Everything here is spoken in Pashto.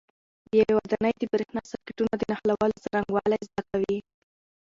د یوې ودانۍ د برېښنا سرکټونو د نښلولو څرنګوالي زده کوئ.